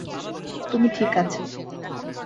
তুমি ঠিক আছ।